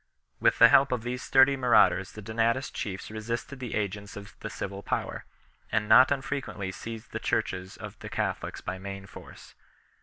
With the help of these sturdy marauders the Donatist chiefs resisted the agents of the civil power, and not unfrequently seized the churches of the Catholics by main force.